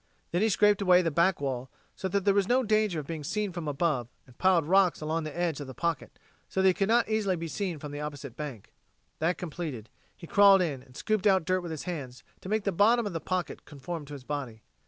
Then he scraped away the back wall, so that there was no danger of being seen from above, and piled rocks along the edge of the pocket, so that he could not easily be seen from the opposite bank. That completed, he crawled in and scooped out dirt with his hands, to make the bottom of the pocket conform to his body.